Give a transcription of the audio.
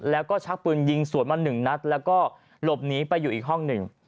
แล้วก็ชักปืนยิงสวนมาหนึ่งนัดแล้วก็หลบหนีไปอยู่อีกห้องหนึ่ง